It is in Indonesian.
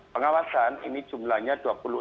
pengawasan ini jumlahnya